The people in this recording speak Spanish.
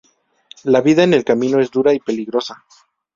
La vida en el camino es dura y peligrosa.